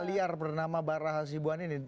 bola liar bernama bara sibuan ini